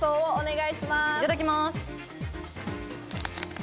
いただきます。